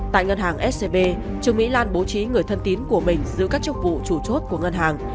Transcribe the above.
tại ngân hàng scb trương mỹ lan bố trí người thân tín của mình giữ các chức vụ chủ chốt của ngân hàng